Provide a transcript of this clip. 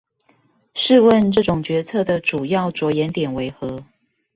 試問這種決策的主要著眼點為何？